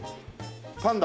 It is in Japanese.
パンダ！